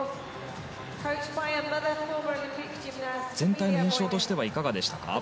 全体の印象としてはいかがでしたか？